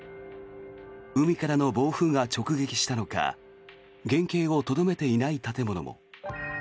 海からの暴風が直撃したのか原形をとどめていない建物も。